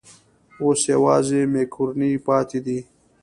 اوس یوازې مېکاروني پاتې ده.